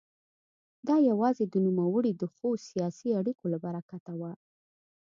دا یوازې د نوموړي د ښو سیاسي اړیکو له برکته وه.